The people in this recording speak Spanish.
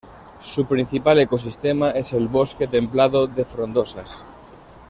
Su principal ecosistema es el Bosque templado de frondosas.